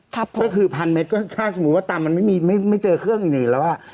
ก็คือพันเมตรก็ค่าสมมุติว่าตำมันไม่เจอเครื่องอีกแล้ว